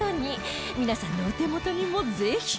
皆さんのお手元にもぜひ！